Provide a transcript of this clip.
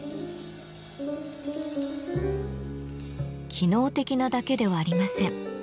機能的なだけではありません。